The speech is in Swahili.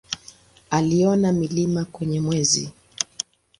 Aliona milima kwenye Mwezi.